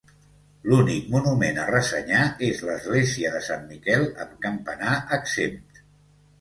L'únic monument a ressenyar és l'església de sant Miquel, amb campanar exempt.